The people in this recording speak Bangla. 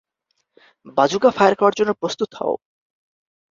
বাজুকা ফায়ার করার জন্য প্রস্তুত হও!